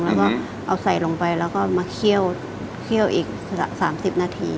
แล้วก็เอาใส่ลงไปแล้วก็มาเคี่ยวอีก๓๐นาที